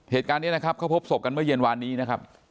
เหตุการณ์นี้นะครับเขาพบศพกันเมื่อเย็นวานนี้นะครับ